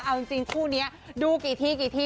เอาจริงคู่นี้ดูกี่ทีกี่ที่